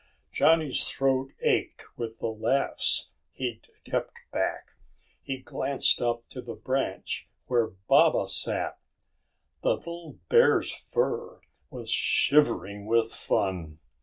Johnny's throat ached with the laughs he'd kept back. He glanced up to the branch where Baba sat. The little bear's fur was shivering with fun.